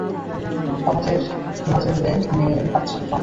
আমাদেরলে নিয়ে ভাবছি, টম।